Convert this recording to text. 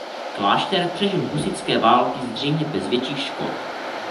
Klášter přežil husitské války zřejmě bez větších škod.